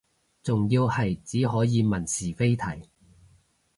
仲要係只可以問是非題